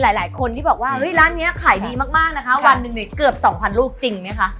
มีหลายคนบอกว่านี่ร้านนี้ดีมากวันทองเนี้ยแกบประมาณ๒๐๐๐ลูกจริงเนี่ยคะ